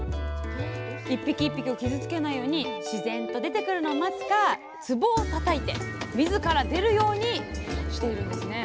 一匹一匹を傷つけないように自然と出てくるのを待つかつぼをたたいて自ら出るようにしているんですね